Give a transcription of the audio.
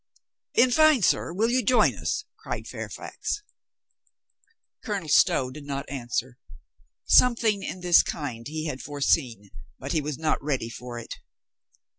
"In fine, sir, will you join us?" cried Fairfax. 456 COLONEL GREATHEART Colonel Stow did not answer. Something in this kind he had foreseen, but he was not ready for it.